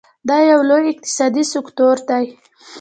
دا یو لوی اقتصادي سکتور دی.